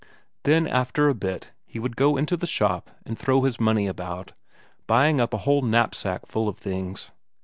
Then after a bit he would go into the shop and throw his money about, buying up a whole knapsack full of things.